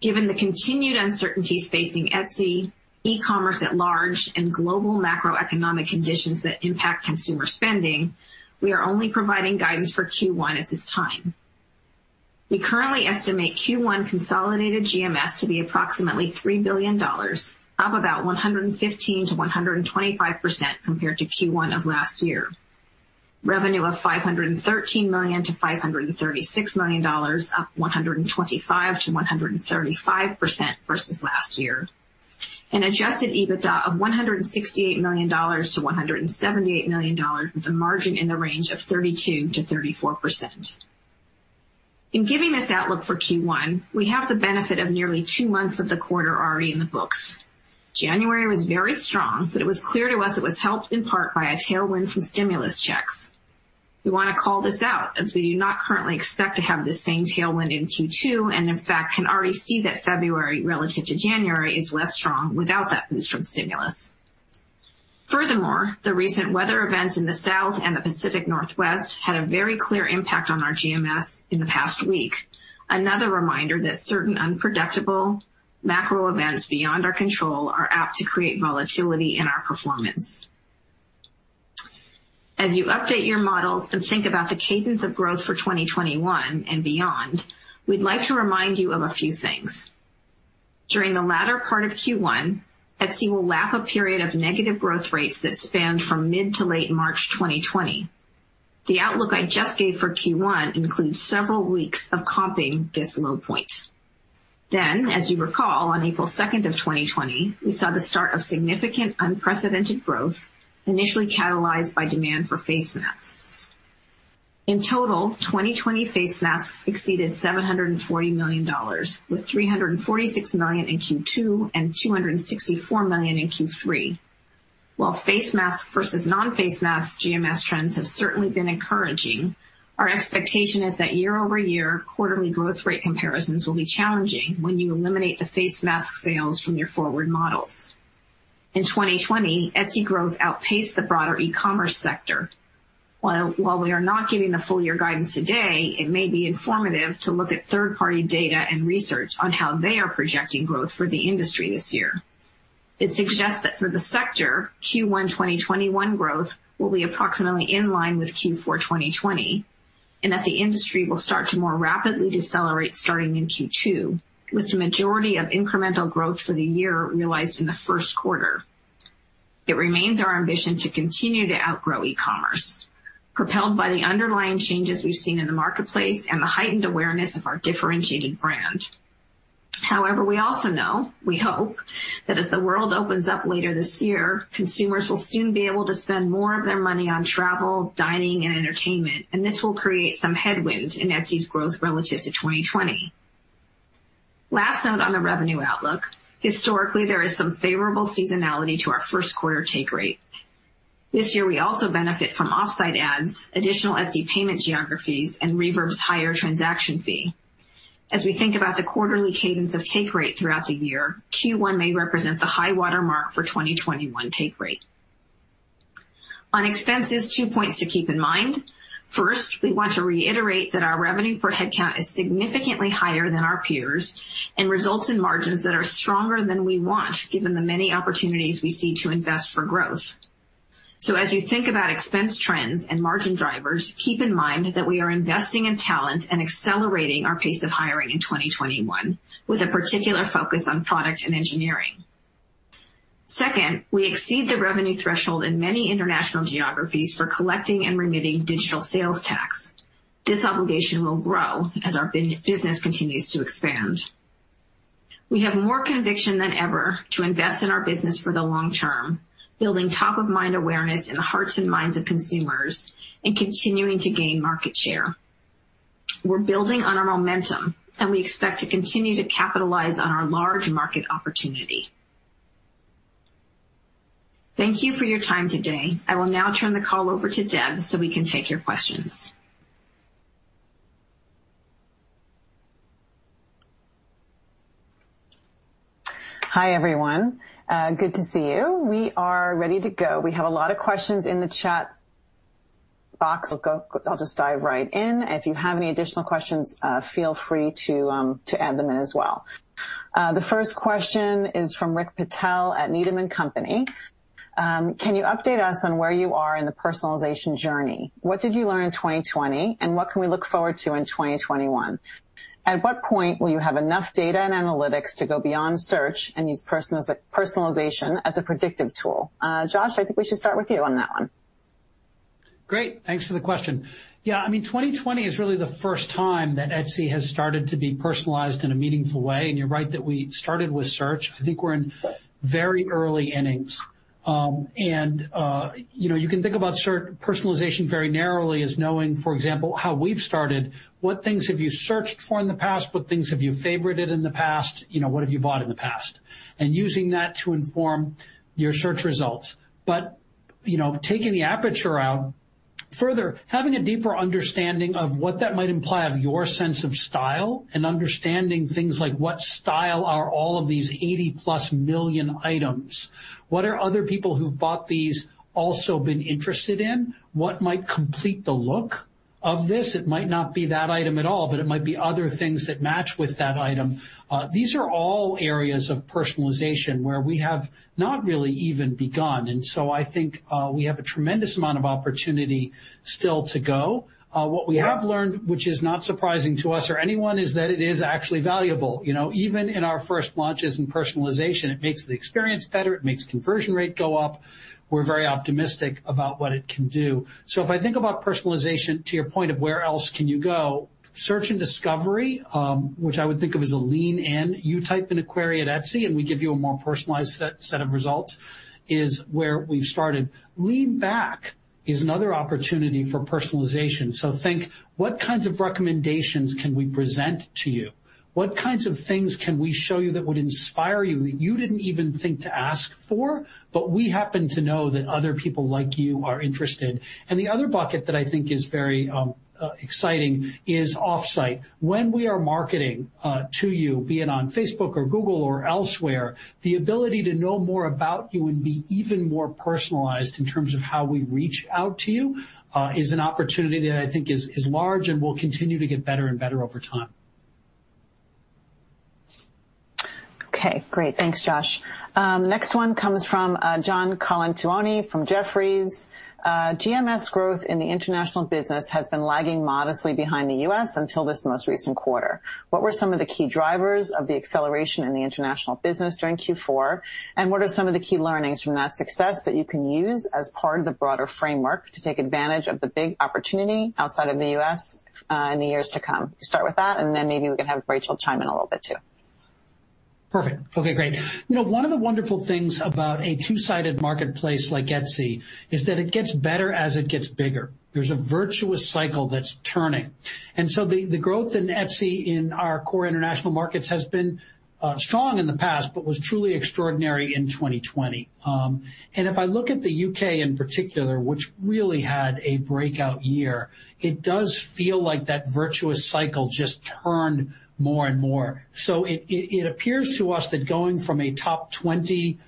given the continued uncertainties facing Etsy, e-commerce at large, and global macroeconomic conditions that impact consumer spending, we are only providing guidance for Q1 at this time. We currently estimate Q1 consolidated GMS to be approximately $3 billion, up about 115%-125% compared to Q1 of last year. Revenue of $513 million-$536 million, up 125%-135% versus last year, and adjusted EBITDA of $168 million-$178 million, with a margin in the range of 32%-34%. In giving this outlook for Q1, we have the benefit of nearly two months of the quarter already in the books. January was very strong, but it was clear to us it was helped in part by a tailwind from stimulus checks. We want to call this out, as we do not currently expect to have the same tailwind in Q2, and in fact, can already see that February relative to January is less strong without that boost from stimulus. Furthermore, the recent weather events in the South and the Pacific Northwest had a very clear impact on our GMS in the past week. Another reminder that certain unpredictable macro events beyond our control are apt to create volatility in our performance. As you update your models and think about the cadence of growth for 2021 and beyond, we'd like to remind you of a few things. During the latter part of Q1, Etsy will lap a period of negative growth rates that spanned from mid to late March 2020. The outlook I just gave for Q1 includes several weeks of comping this low point. As you recall, on April 2nd, 2020, we saw the start of significant unprecedented growth, initially catalyzed by demand for face masks. In total, 2020 face masks exceeded $740 million, with $346 million in Q2 and $264 million in Q3. While face mask versus non-face mask GMS trends have certainly been encouraging, our expectation is that year-over-year quarterly growth rate comparisons will be challenging when you eliminate the face mask sales from your forward models. In 2020, Etsy growth outpaced the broader e-commerce sector. While we are not giving the full year guidance today, it may be informative to look at third-party data and research on how they are projecting growth for the industry this year. It suggests that for the sector, Q1 2021 growth will be approximately in line with Q4 2020, and that the industry will start to more rapidly decelerate starting in Q2, with the majority of incremental growth for the year realized in the first quarter. It remains our ambition to continue to outgrow e-commerce, propelled by the underlying changes we've seen in the marketplace and the heightened awareness of our differentiated brand. We also know, we hope, that as the world opens up later this year, consumers will soon be able to spend more of their money on travel, dining, and entertainment, and this will create some headwind in Etsy's growth relative to 2020. Last note on the revenue outlook. Historically, there is some favorable seasonality to our first quarter take rate. This year, we also benefit from Offsite Ads, additional Etsy Payments geographies, and Reverb's higher transaction fee. As we think about the quarterly cadence of take rate throughout the year, Q1 may represent the high-water mark for 2021 take rate. On expenses, two points to keep in mind. First, we want to reiterate that our revenue per head count is significantly higher than our peers and results in margins that are stronger than we want, given the many opportunities we see to invest for growth. As you think about expense trends and margin drivers, keep in mind that we are investing in talent and accelerating our pace of hiring in 2021, with a particular focus on product and engineering. Second, we exceed the revenue threshold in many international geographies for collecting and remitting digital sales tax. This obligation will grow as our business continues to expand. We have more conviction than ever to invest in our business for the long term, building top-of-mind awareness in the hearts and minds of consumers and continuing to gain market share. We're building on our momentum, and we expect to continue to capitalize on our large market opportunity. Thank you for your time today. I will now turn the call over to Deb so we can take your questions. Hi, everyone. Good to see you. We are ready to go. We have a lot of questions in the chat box. I'll just dive right in. If you have any additional questions, feel free to add them in as well. The first question is from Rick Patel at Needham & Company. Can you update us on where you are in the personalization journey? What did you learn in 2020, and what can we look forward to in 2021? At what point will you have enough data and analytics to go beyond search and use personalization as a predictive tool? Josh, I think we should start with you on that one. Great. Thanks for the question. Yeah, 2020 is really the first time that Etsy has started to be personalized in a meaningful way, and you're right that we started with search. I think we're in very early innings. You can think about personalization very narrowly as knowing, for example, how we've started, what things have you searched for in the past, what things have you favorited in the past, what have you bought in the past, and using that to inform your search results. Taking the aperture out further, having a deeper understanding of what that might imply of your sense of style and understanding things like what style are all of these 80-plus million items. What are other people who've bought these also been interested in? What might complete the look of this? It might not be that item at all, but it might be other things that match with that item. These are all areas of personalization where we have not really even begun. I think we have a tremendous amount of opportunity still to go. What we have learned, which is not surprising to us or anyone, is that it is actually valuable. Even in our first launches in personalization, it makes the experience better. It makes conversion rate go up. We're very optimistic about what it can do. If I think about personalization to your point of where else can you go, search and discovery, which I would think of as a lean in, you type in a query at Etsy, and we give you a more personalized set of results, is where we've started. Lean back is another opportunity for personalization. Think, what kinds of recommendations can we present to you? What kinds of things can we show you that would inspire you that you didn't even think to ask for, but we happen to know that other people like you are interested? The other bucket that I think is very exciting is Offsite. When we are marketing to you, be it on Facebook or Google or elsewhere, the ability to know more about you and be even more personalized in terms of how we reach out to you is an opportunity that I think is large and will continue to get better and better over time. Okay, great. Thanks, Josh. Next one comes from John Colantuoni from Jefferies. GMS growth in the international business has been lagging modestly behind the U.S. until this most recent quarter. What were some of the key drivers of the acceleration in the international business during Q4, and what are some of the key learnings from that success that you can use as part of the broader framework to take advantage of the big opportunity outside of the U.S. in the years to come? Start with that, and then maybe we can have Rachel chime in a little bit, too. Perfect. Okay, great. One of the wonderful things about a two-sided marketplace like Etsy is that it gets better as it gets bigger. There's a virtuous cycle that's turning. The growth in Etsy in our core international markets has been strong in the past but was truly extraordinary in 2020. If I look at the U.K. in particular, which really had a breakout year, it does feel like that virtuous cycle just turned more and more. It appears to us that going from a top 20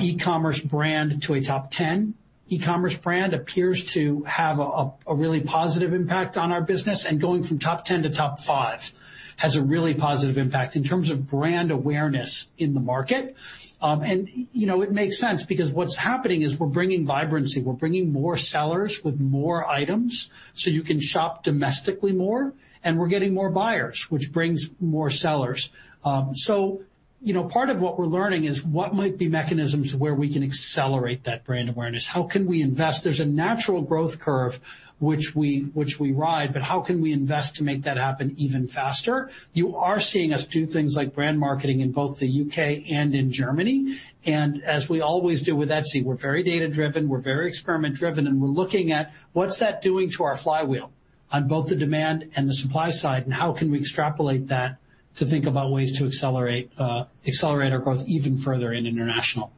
e-commerce brand to a top 10 e-commerce brand appears to have a really positive impact on our business, and going from top 10 to top five has a really positive impact in terms of brand awareness in the market. It makes sense because what's happening is we're bringing vibrancy. We're bringing more sellers with more items, so you can shop domestically more, and we're getting more buyers, which brings more sellers. Part of what we're learning is what might be mechanisms where we can accelerate that brand awareness. How can we invest? There's a natural growth curve which we ride, but how can we invest to make that happen even faster? You are seeing us do things like brand marketing in both the U.K. and in Germany. As we always do with Etsy, we're very data-driven, we're very experiment-driven, and we're looking at what's that doing to our flywheel on both the demand and the supply side, and how can we extrapolate that to think about ways to accelerate our growth even further in international.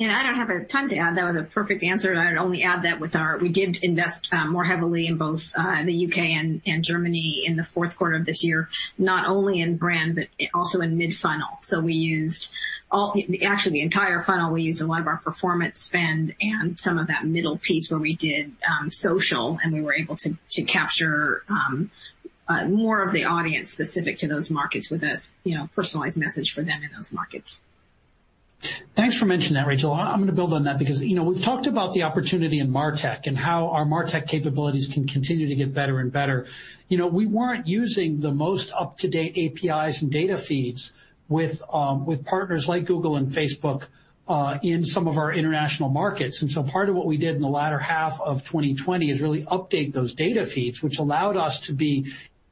I don't have a ton to add. That was a perfect answer. I'd only add that we did invest more heavily in both the U.K. and Germany in the fourth quarter of this year, not only in brand, but also in mid-funnel. Actually, the entire funnel, we used a lot of our performance spend and some of that middle piece where we did social, and we were able to capture more of the audience specific to those markets with a personalized message for them in those markets. Thanks for mentioning that, Rachel. I'm going to build on that because we've talked about the opportunity in MarTech and how our MarTech capabilities can continue to get better and better. We weren't using the most up-to-date APIs and data feeds with partners like Google and Facebook in some of our international markets. Part of what we did in the latter half of 2020 is really update those data feeds, which allowed us to be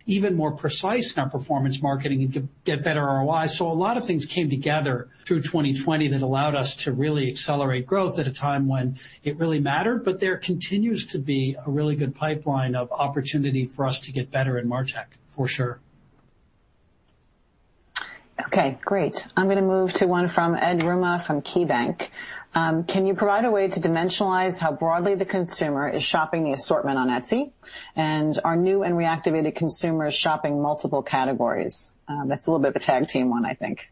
even more precise in our performance marketing and to get better ROI. A lot of things came together through 2020 that allowed us to really accelerate growth at a time when it really mattered, but there continues to be a really good pipeline of opportunity for us to get better in MarTech, for sure. Okay, great. I'm going to move to one from Ed Yruma from KeyBanc. Can you provide a way to dimensionalize how broadly the consumer is shopping the assortment on Etsy? Are new and reactivated consumers shopping multiple categories? That's a little bit of a tag team one, I think.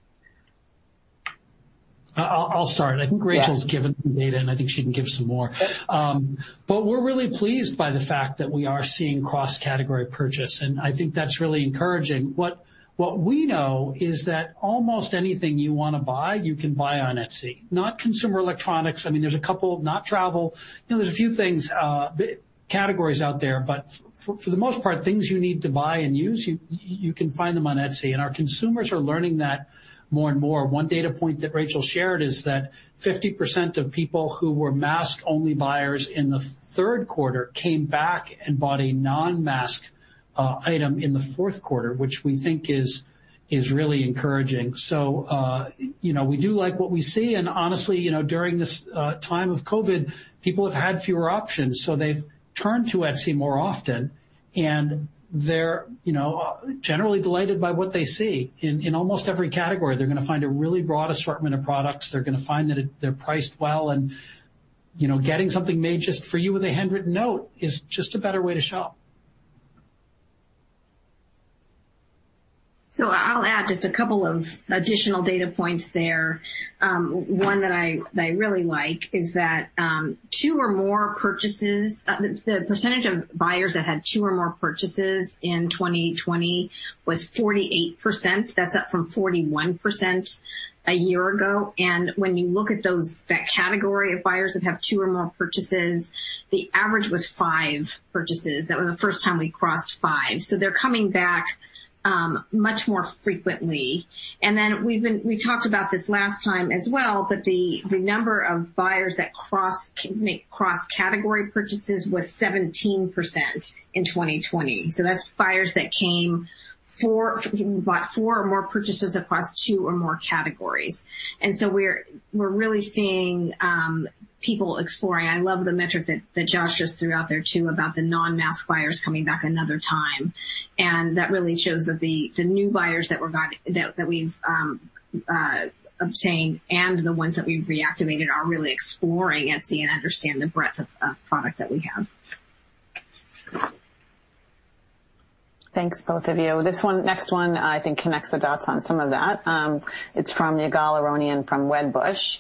I'll start. I think Rachel's given the data, and I think she can give some more. We're really pleased by the fact that we are seeing cross-category purchase, and I think that's really encouraging. What we know is that almost anything you want to buy, you can buy on Etsy. Not consumer electronics. There's a couple. Not travel. There's a few things, categories out there, but for the most part, things you need to buy and use, you can find them on Etsy, and our consumers are learning that more and more. One data point that Rachel shared is that 50% of people who were mask-only buyers in the third quarter came back and bought a non-mask item in the fourth quarter, which we think is really encouraging. We do like what we see, and honestly, during this time of COVID, people have had fewer options, so they've turned to Etsy more often, and they're generally delighted by what they see. In almost every category, they're going to find a really broad assortment of products. They're going to find that they're priced well, and getting something made just for you with a handwritten note is just a better way to shop. I'll add just a couple of additional data points there. One that I really like is that two or more purchases, the percentage of buyers that had two or more purchases in 2020 was 48%, that's up from 41% a year ago. When you look at that category of buyers that have two or more purchases, the average was five purchases. That was the first time we crossed five. They're coming back much more frequently. We talked about this last time as well, but the number of buyers that make cross-category purchases was 17% in 2020. That's buyers that bought four or more purchases across two or more categories. We're really seeing people exploring. I love the metric that Josh just threw out there, too, about the non-mask buyers coming back another time. That really shows that the new buyers that we've obtained and the ones that we've reactivated are really exploring Etsy and understand the breadth of product that we have. Thanks, both of you. This next one, I think, connects the dots on some of that. It's from Ygal Arounian from Wedbush.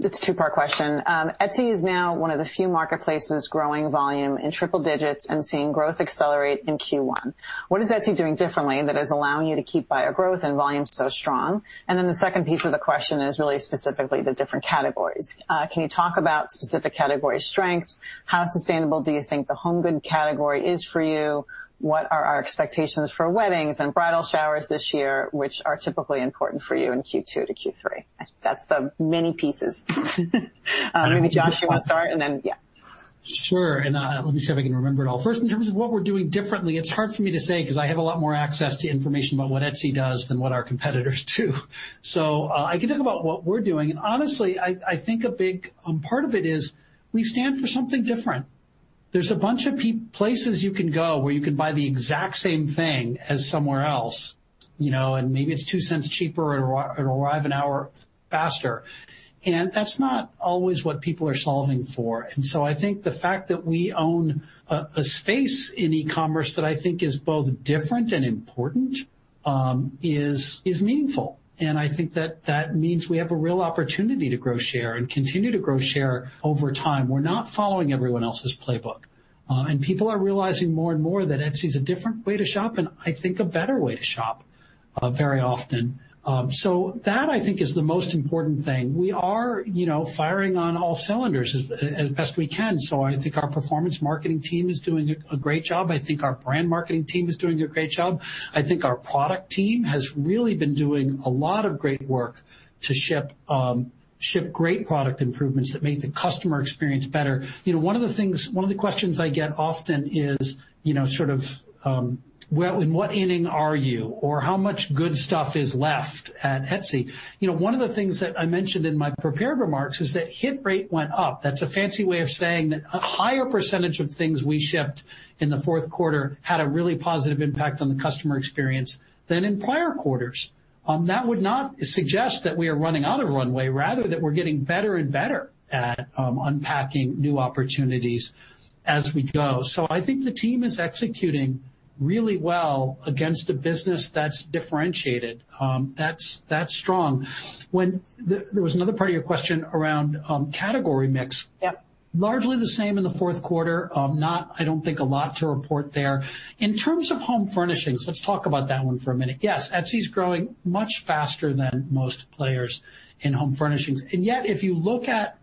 It's a two-part question. Etsy is now one of the few marketplaces growing volume in triple digits and seeing growth accelerate in Q1. What is Etsy doing differently that is allowing you to keep buyer growth and volume so strong? Then the second piece of the question is really specifically the different categories. Can you talk about specific category strength? How sustainable do you think the home good category is for you? What are our expectations for weddings and bridal showers this year, which are typically important for you in Q2 to Q3? That's the many pieces. I don't know. Maybe Josh, you want to start and then, yeah. Sure. Let me see if I can remember it all. First, in terms of what we're doing differently, it's hard for me to say because I have a lot more access to information about what Etsy does than what our competitors do. I can talk about what we're doing, and honestly, I think a big part of it is we stand for something different. There's a bunch of places you can go where you can buy the exact same thing as somewhere else, and maybe it's $0.02 cheaper and arrive an hour faster, and that's not always what people are solving for. I think the fact that we own a space in e-commerce that I think is both different and important is meaningful, and I think that means we have a real opportunity to grow share and continue to grow share over time. We're not following everyone else's playbook. People are realizing more and more that Etsy is a different way to shop, and I think a better way to shop very often. That I think is the most important thing. We are firing on all cylinders as best we can. I think our performance marketing team is doing a great job. I think our brand marketing team is doing a great job. I think our product team has really been doing a lot of great work to ship great product improvements that make the customer experience better. One of the questions I get often is sort of, "In what inning are you?" Or, "How much good stuff is left at Etsy?" One of the things that I mentioned in my prepared remarks is that hit rate went up. That's a fancy way of saying that a higher percentage of things we shipped in the fourth quarter had a really positive impact on the customer experience than in prior quarters. That would not suggest that we are running out of runway, rather that we're getting better and better at unpacking new opportunities as we go. I think the team is executing really well against a business that's differentiated, that's strong. There was another part of your question around category mix. Yep. Largely the same in the fourth quarter. Not, I don't think, a lot to report there. In terms of home furnishings, let's talk about that one for a minute. Yes, Etsy's growing much faster than most players in home furnishings, and yet, if you look at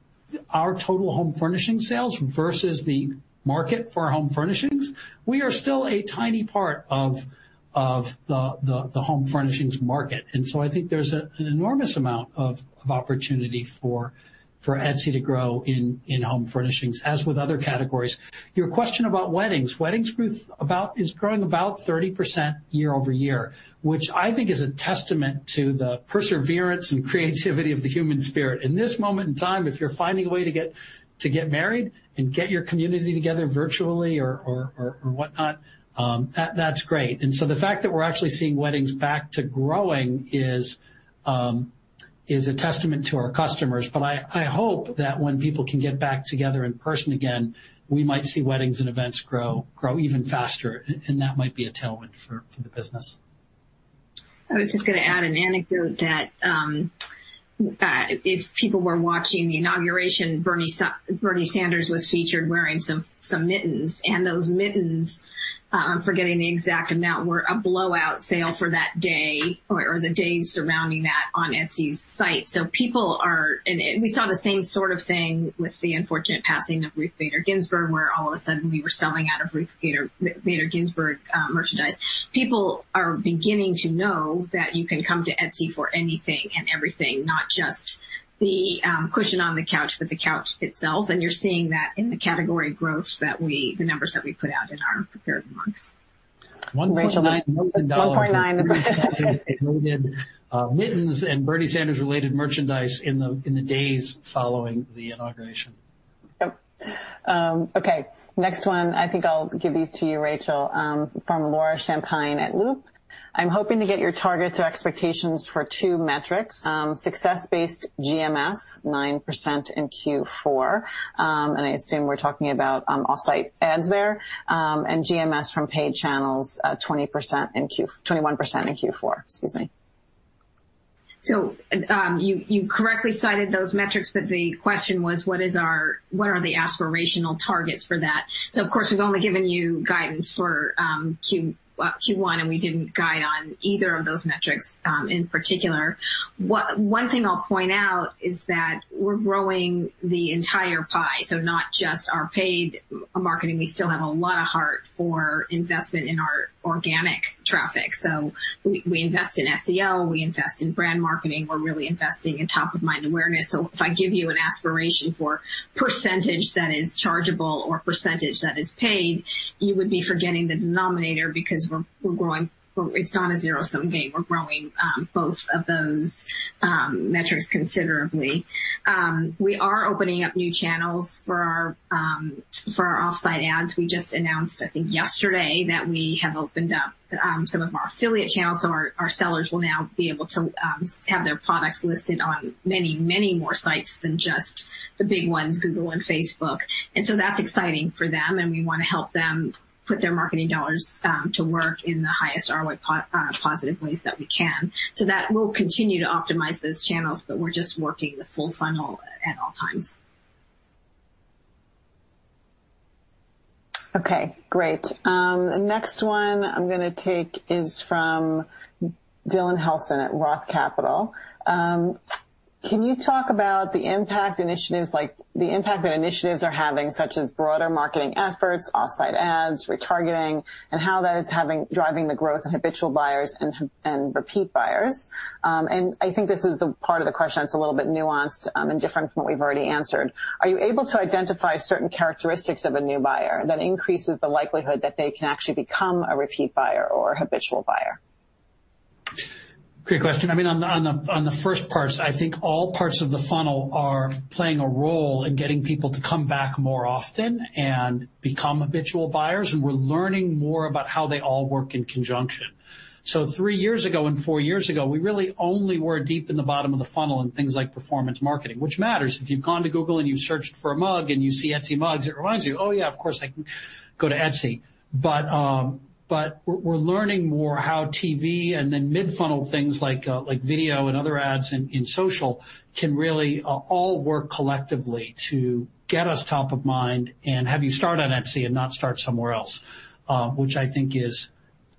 our total home furnishing sales versus the market for home furnishings, we are still a tiny part of the home furnishings market. I think there's an enormous amount of opportunity for Etsy to grow in home furnishings, as with other categories. Your question about weddings. weddings is growing about 30% year-over-year, which I think is a testament to the perseverance and creativity of the human spirit. In this moment in time, if you're finding a way to get married and get your community together virtually or whatnot, that's great. The fact that we're actually seeing weddings back to growing is a testament to our customers. I hope that when people can get back together in person again, we might see weddings and events grow even faster, and that might be a tailwind for the business. I was just going to add an anecdote that if people were watching the inauguration, Bernie Sanders was featured wearing some mittens. Those mittens, I'm forgetting the exact amount, were a blowout sale for that day or the days surrounding that on Etsy's site. We saw the same sort of thing with the unfortunate passing of Ruth Bader Ginsburg, where all of a sudden, we were selling out of Ruth Bader Ginsburg merchandise. People are beginning to know that you can come to Etsy for anything and everything, not just the cushion on the couch, but the couch itself. You're seeing that in the category growth, the numbers that we put out in our prepared remarks. $1.9 million. Rachel. Mittens and Bernie Sanders related merchandise in the days following the inauguration. Yep. Okay, next one. I think I'll give these to you, Rachel, from Laura Champine at Loop. I'm hoping to get your targets or expectations for two metrics, success-based GMS, 9% in Q4, and I assume we're talking about Offsite Ads there, and GMS from paid channels 21% in Q4. Excuse me. You correctly cited those metrics, but the question was, what are the aspirational targets for that? Of course, we've only given you guidance for Q1, and we didn't guide on either of those metrics in particular. One thing I'll point out is that we're growing the entire pie. Not just our paid marketing, we still have a lot of heart for investment in our organic traffic. We invest in SEO, we invest in brand marketing. We're really investing in top-of-mind awareness. If I give you an aspiration for percentage that is chargeable or percentage that is paid, you would be forgetting the denominator because it's not a zero-sum game. We're growing both of those metrics considerably. We are opening up new channels for our Offsite Ads. We just announced, I think yesterday, that we have opened up some of our affiliate channels. Our sellers will now be able to have their products listed on many more sites than just the big ones, Google and Facebook. That's exciting for them, and we want to help them put their marketing dollars to work in the highest ROI positive ways that we can. That we'll continue to optimize those channels, but we're just working the full funnel at all times. Okay, great. Next one I'm going to take is from Dylan Helson at Roth Capital. Can you talk about the impact that initiatives are having, such as broader marketing efforts, Offsite Ads, retargeting, and how that is driving the growth in habitual buyers and repeat buyers? I think this is the part of the question that's a little bit nuanced and different from what we've already answered. Are you able to identify certain characteristics of a new buyer that increases the likelihood that they can actually become a repeat buyer or a habitual buyer? Great question. On the first parts, I think all parts of the funnel are playing a role in getting people to come back more often and become habitual buyers, and we're learning more about how they all work in conjunction. Three years ago and four years ago, we really only were deep in the bottom of the funnel in things like performance marketing, which matters. If you've gone to Google and you've searched for a mug and you see Etsy mugs, it reminds you, "Oh, yeah, of course, I can go to Etsy." We're learning more how TV and then mid-funnel things like video and other ads in social can really all work collectively to get us top of mind and have you start on Etsy and not start somewhere else, which I think is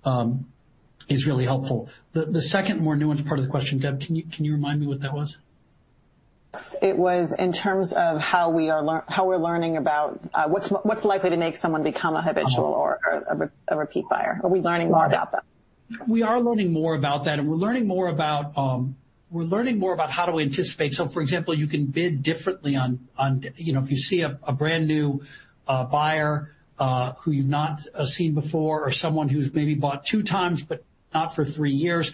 really helpful. The second, more nuanced part of the question, Deb, can you remind me what that was? It was in terms of how we're learning about what's likely to make someone become a habitual or a repeat buyer. Are we learning more about that? We are learning more about that, we're learning more about how do we anticipate. For example, you can bid differently if you see a brand new buyer who you've not seen before, or someone who's maybe bought two times, but not for three years.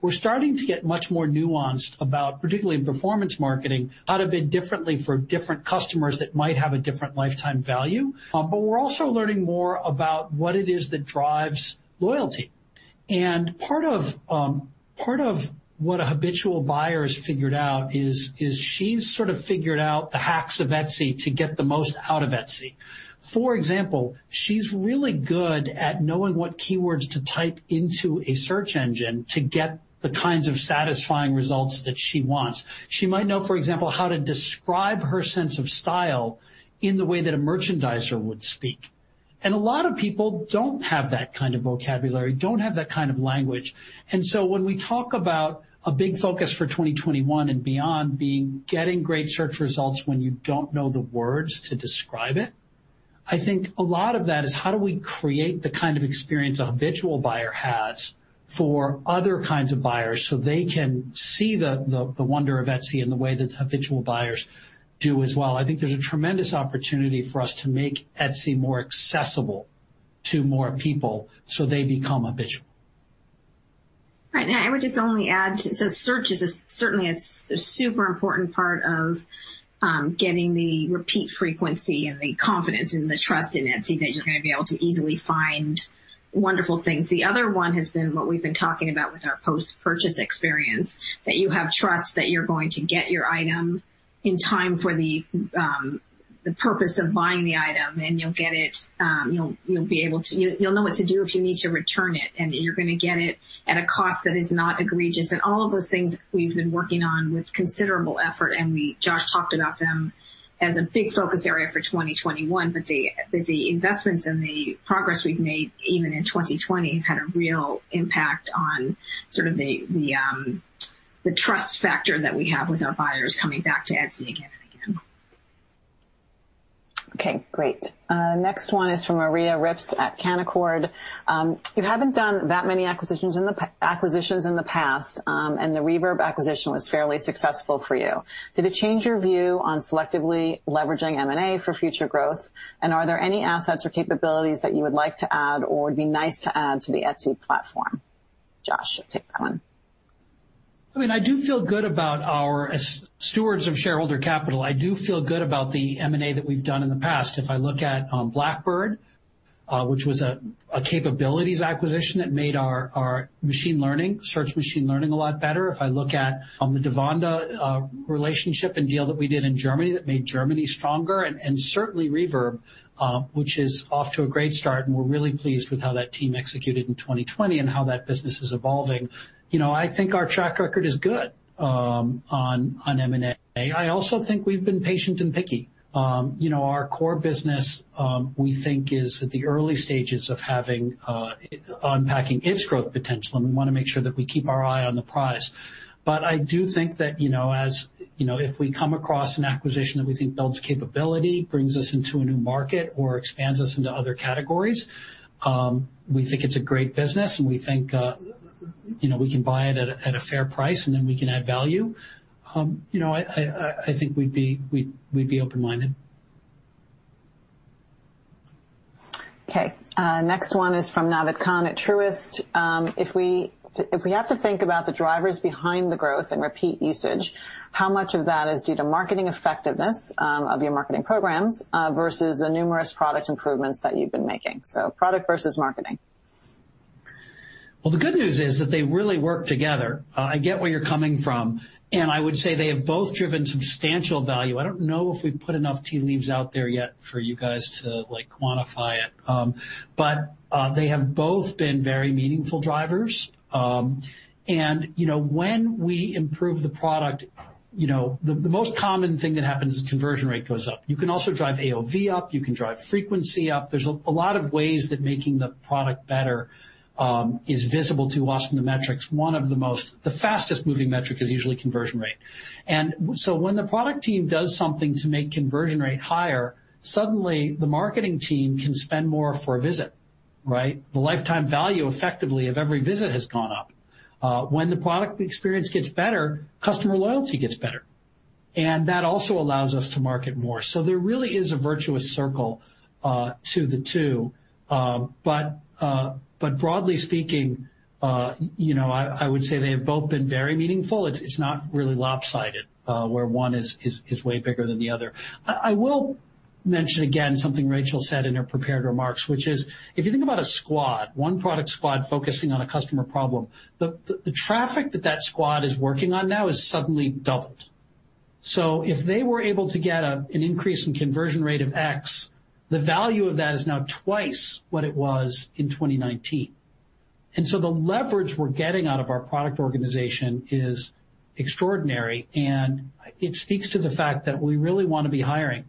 We're starting to get much more nuanced about, particularly in performance marketing, how to bid differently for different customers that might have a different lifetime value. We're also learning more about what it is that drives loyalty. Part of what a habitual buyer has figured out is she's sort of figured out the hacks of Etsy to get the most out of Etsy. For example, she's really good at knowing what keywords to type into a search engine to get the kinds of satisfying results that she wants. She might know, for example, how to describe her sense of style in the way that a merchandiser would speak. A lot of people don't have that kind of vocabulary, don't have that kind of language. When we talk about a big focus for 2021 and beyond being getting great search results when you don't know the words to describe it, I think a lot of that is how do we create the kind of experience a habitual buyer has for other kinds of buyers so they can see the wonder of Etsy in the way that habitual buyers do as well. I think there's a tremendous opportunity for us to make Etsy more accessible to more people so they become habitual. Right. I would just only add, search is certainly a super important part of getting the repeat frequency and the confidence and the trust in Etsy that you're going to be able to easily find wonderful things. The other one has been what we've been talking about with our post-purchase experience, that you have trust that you're going to get your item in time for the purpose of buying the item, and you'll know what to do if you need to return it, and you're going to get it at a cost that is not egregious. All of those things we've been working on with considerable effort, and Josh talked about them as a big focus area for 2021. The investments and the progress we've made even in 2020 have had a real impact on sort of the trust factor that we have with our buyers coming back to Etsy. Okay, great. Next one is from Maria Ripps at Canaccord. You haven't done that many acquisitions in the past, and the Reverb acquisition was fairly successful for you. Did it change your view on selectively leveraging M&A for future growth? Are there any assets or capabilities that you would like to add or would be nice to add to the Etsy platform? Josh, take that one. I mean, as stewards of shareholder capital, I do feel good about the M&A that we've done in the past. If I look at Blackbird, which was a capabilities acquisition that made our search machine learning a lot better. If I look at the DaWanda relationship and deal that we did in Germany that made Germany stronger, and certainly Reverb, which is off to a great start, and we're really pleased with how that team executed in 2020 and how that business is evolving. I think our track record is good on M&A. I also think we've been patient and picky. Our core business, we think, is at the early stages of unpacking its growth potential, and we want to make sure that we keep our eye on the prize. I do think that, if we come across an acquisition that we think builds capability, brings us into a new market, or expands us into other categories, we think it's a great business, and we think we can buy it at a fair price, and then we can add value. I think we'd be open-minded. Okay. Next one is from Naved Khan at Truist. If we have to think about the drivers behind the growth and repeat usage, how much of that is due to marketing effectiveness of your marketing programs versus the numerous product improvements that you've been making? Product versus marketing. Well, the good news is that they really work together. I get where you're coming from, and I would say they have both driven substantial value. I don't know if we've put enough tea leaves out there yet for you guys to quantify it. They have both been very meaningful drivers. When we improve the product, the most common thing that happens is conversion rate goes up. You can also drive AOV up. You can drive frequency up. There's a lot of ways that making the product better is visible to us in the metrics. One of the most, the fastest-moving metric is usually conversion rate. So when the product team does something to make conversion rate higher, suddenly the marketing team can spend more for a visit. Right? The lifetime value, effectively, of every visit has gone up. When the product experience gets better, customer loyalty gets better. That also allows us to market more. There really is a virtuous circle to the two. Broadly speaking, I would say they have both been very meaningful. It's not really lopsided where one is way bigger than the other. I will mention again something Rachel said in her prepared remarks, which is, if you think about a squad, one product squad focusing on a customer problem, the traffic that that squad is working on now is suddenly doubled. If they were able to get an increase in conversion rate of X, the value of that is now twice what it was in 2019. The leverage we're getting out of our product organization is extraordinary, and it speaks to the fact that we really want to be hiring,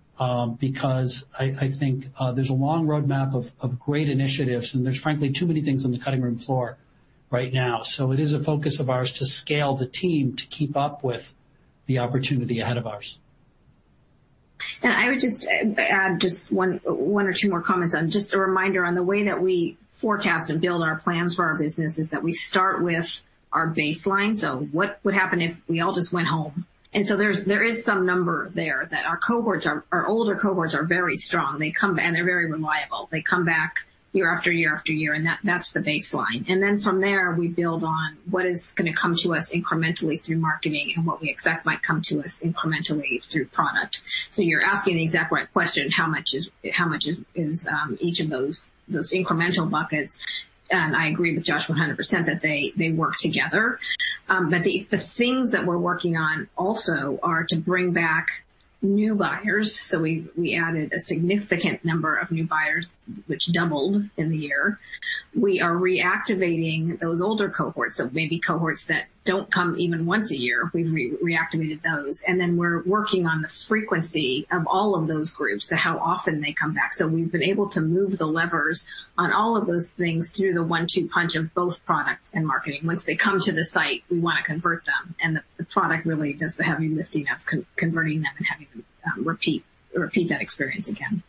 because I think there's a long roadmap of great initiatives, and there's frankly too many things on the cutting room floor right now. It is a focus of ours to scale the team to keep up with the opportunity ahead of us. I would just add one or two more comments. Just a reminder on the way that we forecast and build our plans for our business is that we start with our baseline. What would happen if we all just went home? There is some number there that our older cohorts are very strong, and they're very reliable. They come back year after year after year, and that's the baseline. From there, we build on what is going to come to us incrementally through marketing and what we expect might come to us incrementally through product. You're asking the exact right question, how much is each of those incremental buckets. I agree with Josh 100% that they work together. The things that we're working on also are to bring back new buyers. We added a significant number of new buyers, which doubled in the year. We are reactivating those older cohorts. Maybe cohorts that don't come even once a year, we've reactivated those. We're working on the frequency of all of those groups, how often they come back. We've been able to move the levers on all of those things through the one-two punch of both product and marketing. Once they come to the site, we want to convert them, and the product really does the heavy lifting of converting them and having them repeat that experience again.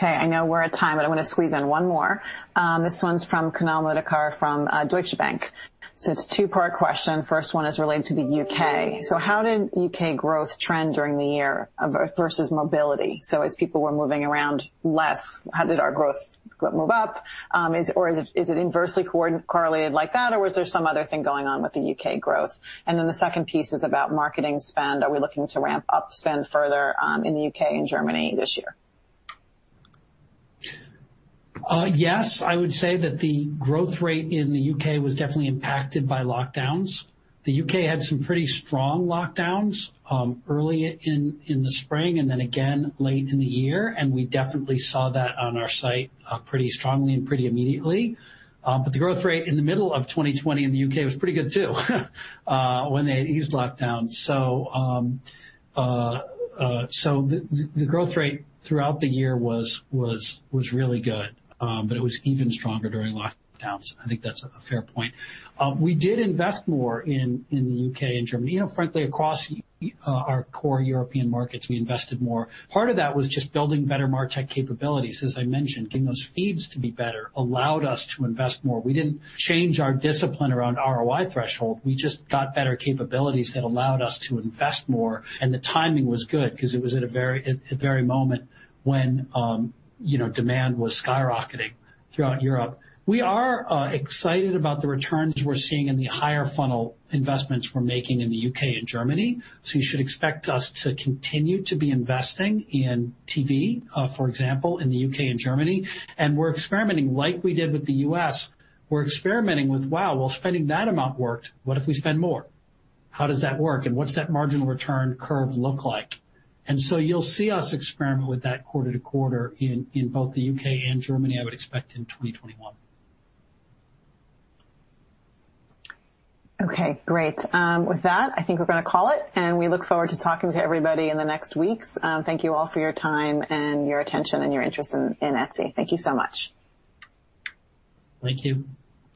I know we're at time, I want to squeeze in one more. This one's from Kunal Madhukar from Deutsche Bank. It's a two-part question. First one is related to the U.K. How did U.K. growth trend during the year versus mobility? As people were moving around less, how did our growth move up? Is it inversely correlated like that, or was there some other thing going on with the U.K. growth? The second piece is about marketing spend. Are we looking to ramp up spend further in the U.K. and Germany this year? Yes. I would say that the growth rate in the U.K. was definitely impacted by lockdowns. The U.K. had some pretty strong lockdowns early in the spring and then again late in the year, and we definitely saw that on our site pretty strongly and pretty immediately. The growth rate in the middle of 2020 in the U.K. was pretty good, too when they had eased lockdown. The growth rate throughout the year was really good, but it was even stronger during lockdowns. I think that's a fair point. We did invest more in the U.K. and Germany. Frankly, across our core European markets, we invested more. Part of that was just building better martech capabilities. As I mentioned, getting those feeds to be better allowed us to invest more. We didn't change our discipline around ROI threshold. We just got better capabilities that allowed us to invest more, and the timing was good because it was at the very moment when demand was skyrocketing throughout Europe. We are excited about the returns we're seeing in the higher funnel investments we're making in the U.K. and Germany. You should expect us to continue to be investing in TV, for example, in the U.K. and Germany. We're experimenting, like we did with the U.S., we're experimenting with, wow, well, spending that amount worked. What if we spend more? How does that work, and what's that marginal return curve look like? You'll see us experiment with that quarter to quarter in both the U.K. and Germany, I would expect in 2021. Okay, great. With that, I think we're going to call it, and we look forward to talking to everybody in the next weeks. Thank you all for your time and your attention and your interest in Etsy. Thank you so much. Thank you.